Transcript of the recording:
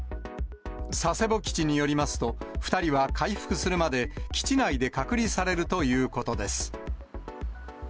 佐世保基地によりますと、２人は回復するまで基地内で隔離されるということです。